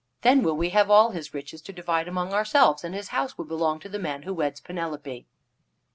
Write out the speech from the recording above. Then will we have all his riches to divide among ourselves, and his house will belong to the man who weds Penelope."